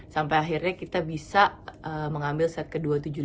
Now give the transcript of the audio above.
sampai akhirnya kita bisa mengambil set ke dua tujuh lima